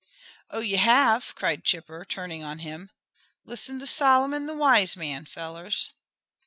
"Oh, you have!" cried Chipper, turning on him. "Listen to Solomon, the wise man, fellers."